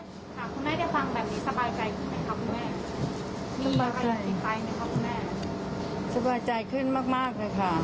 คุณแม่ได้ฟังแบบนี้สบายใจขึ้นไหมครับคุณแม่สบายใจสบายใจขึ้นมากมากเลยค่ะ